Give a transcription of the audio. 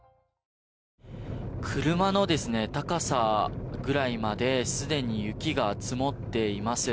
車の高さぐらいまですでに雪が積もっています。